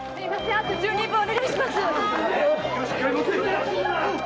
あと十人分お願いします。